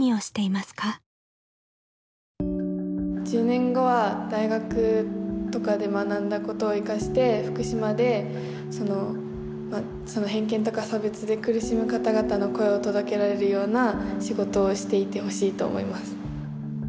１０年後は大学とかで学んだことを生かして福島で偏見とか差別で苦しむ方々の声を届けられるような仕事をしていてほしいと思います。